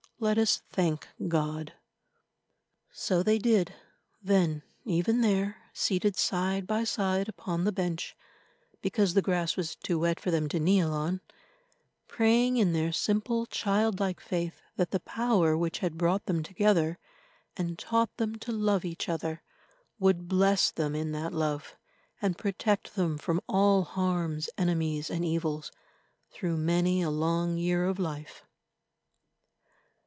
Let us thank God." So they did, then, even there, seated side by side upon the bench, because the grass was too wet for them to kneel on, praying in their simple, childlike faith that the Power which had brought them together, and taught them to love each other, would bless them in that love and protect them from all harms, enemies, and evils through many a long year of life.